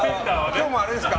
今日もあれですか？